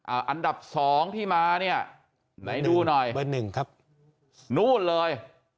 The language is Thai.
อันดับสองที่มาเนี่ยไหนดูหน่อยเบอร์หนึ่งครับนู่นเลย